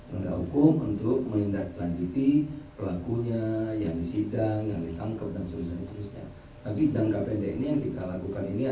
tidak hukum untuk mengindahkan lanjuti pelakunya yang disidang yang ditangkap dan sebagainya